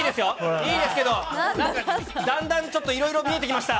いいですけど、なんか、だんだんちょっと、いろいろ見えてきました。